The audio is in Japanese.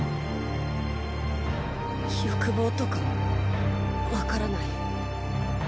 欲望とか分からない。